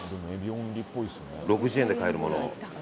６０円で買えるもの。